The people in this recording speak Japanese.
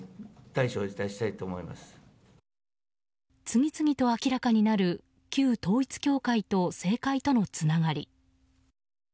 次々と明らかになる旧統一教会と政界とのつながり。